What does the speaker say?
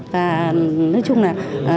và nói chung là